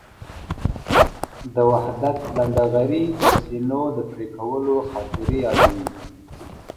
د وحدت لنډهغري د سینو د پرېکولو خاطرې یادوي.